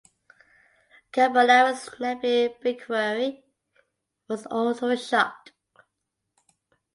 Karbunara’s nephew Beqiri was also shot.